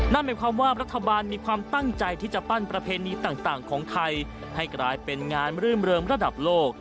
นั่นหมายความว่ารัฐบาลมีความตั้งใจที่จะปั้นประเพณีต่างของไทยให้กลายเป็นงานรื่มเริงระดับโลก